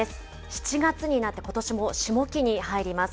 ７月になってことしも下期に入ります。